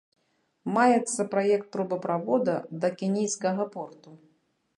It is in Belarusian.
Маецца праект трубаправода да кенійскага порту.